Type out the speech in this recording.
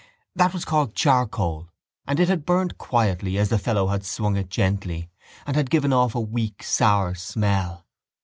That was called charcoal: and it had burned quietly as the fellow had swung it gently and had given off a weak sour smell.